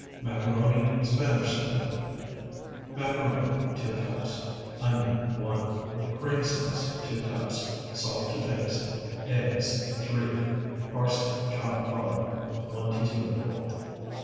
MACARONI (SPANISH STYLE) Macaroni, 2 cups. Onion, 1. Cream sauce, 2 cups. Salt to taste. Eggs, 3. Parsley, chopped fine, 1 teaspoonful.